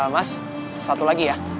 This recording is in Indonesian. mas satu lagi ya